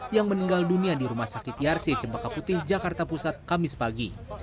yang meninggal dunia di rumah sakit yarsi cempaka putih jakarta pusat kamis pagi